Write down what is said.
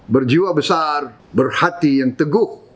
berjiwa besar berhati yang teguh